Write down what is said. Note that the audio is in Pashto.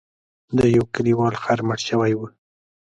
د یو کلیوال خر مړ شوی و.